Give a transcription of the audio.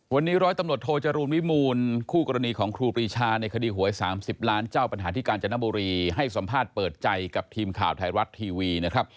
วันนี้ร้อยตำรวจโทจรูลวิมูลคู่กรณีของครูปรีชาในคดีหวย๓๐ล้านเจ้าปัญหาที่กาญจนบุรีให้สัมภาษณ์เปิดใจกับทีมข่าวไทยรัฐทีวีนะครับ